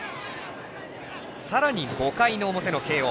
さらに５回の表の慶応。